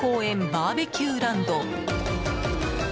バーベキューランド。